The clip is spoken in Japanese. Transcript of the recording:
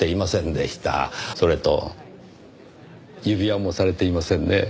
それと指輪もされていませんねぇ。